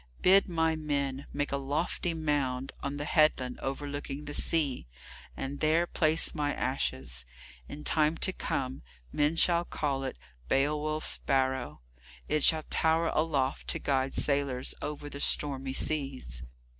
Bid my men make a lofty mound on the headland overlooking the sea, and there place my ashes. In time to come men shall call it Beowulf's Barrow, it shall tower aloft to guide sailors over the stormy seas."